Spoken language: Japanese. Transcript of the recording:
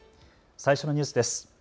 最初のニュースです。